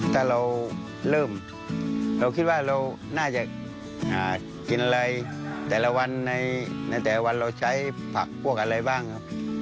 ถ้าเราเริ่มเราคิดว่าเราน่าจะกินอะไรแต่ละวันในแต่วันเราใช้ผักพวกอะไรบ้างครับ